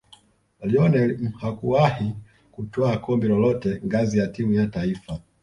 lionel mhakuwahi kutwaa kombe lolote ngazi ya timu ya taifa